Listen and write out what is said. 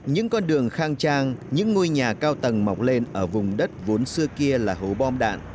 những con đường khang trang những ngôi nhà cao tầng mọc lên ở vùng đất vốn xưa kia là hố bom đạn